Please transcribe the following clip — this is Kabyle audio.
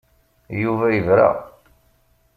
Yuba yebra.